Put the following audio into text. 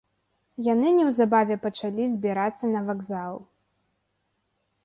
Яны неўзабаве пачалі збірацца на вакзал.